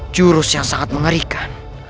jurus yang sangat mengerikan